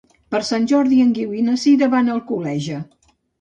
Per Sant Jordi en Guiu i na Sira van a Alcoleja.